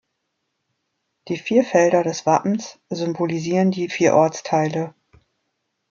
Die vier Felder des Wappens symbolisieren die vier Ortsteile.